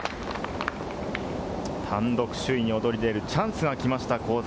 単独首位に躍り出るチャンスが来ました、香妻